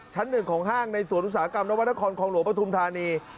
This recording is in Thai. ชั้นหนึ่งของห้างในสวรุษากรรมและวัตกรคองโหลปธุมธานี